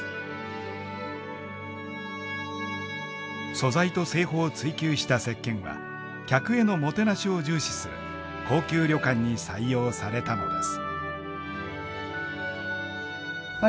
素材と製法を追求したせっけんは客へのもてなしを重視する高級旅館に採用されたのです。